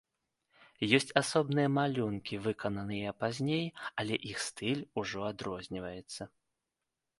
Ёсць асобныя малюнкі, выкананыя пазней, але іх стыль ужо адрозніваецца.